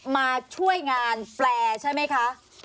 มาช่วยงานแปลใช่ไหมคะ